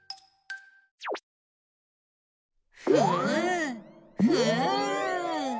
ふっふっ。